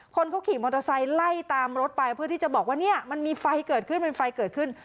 คนเขาขี่มอเตอร์ไซค์ไล่ตามรถไปเพื่อที่จะบอกว่าเนี่ยมันมีไฟเกิดขึ้นเป็นไฟเกิดขึ้น